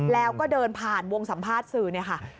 แล้วก็เดินผ่านวงสัมภาษณ์สื่อเนี่ยค่ะ